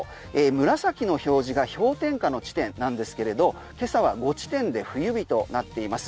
紫の表示が氷点下の地点なんですけれど今朝は５地点で冬日となっています。